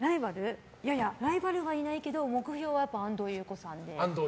ライバルはいないけど目標は安藤優子さんで。